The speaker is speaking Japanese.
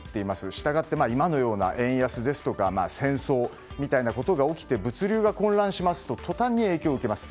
したがって今のような円安ですとか戦争みたいなことが起きて物流が混乱しますととたんに影響を受けます。